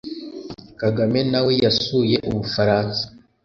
Kagame nawe yasuye Ubufaransa